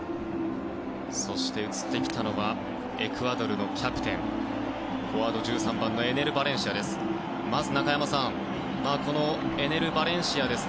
そして、エクアドルのキャプテンフォワード、１３番のエネル・バレンシアです。